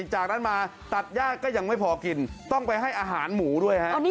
จากนั้นมาตัดญาติก็ยังไม่พอกินต้องไปให้อาหารหมูด้วยฮะ